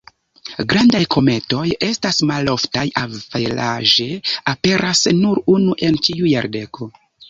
Grandaj kometoj estas maloftaj, averaĝe aperas nur unu en ĉiu jardeko.